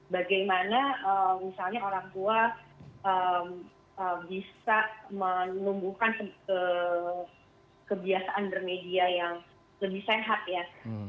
bagaimana misalnya orang tua bisa menumbuhkan kebiasaan bermedia yang lebih sehat ya